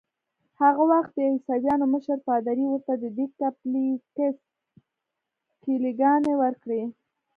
هغه وخت د عیسویانو مشر پادري ورته ددې کمپلیکس کیلې ګانې ورکړې.